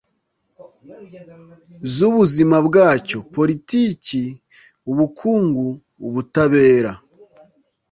z'ubuzima bwacyo (politiki, ubukungu, ubutabera